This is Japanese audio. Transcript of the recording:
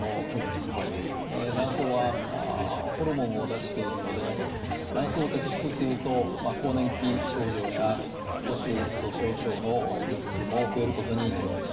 卵巣はホルモンを出しているので卵巣を摘出すると更年期症状や骨粗しょう症のリスクも増えることになります。